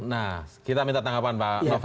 nah kita minta tanggapan pak novel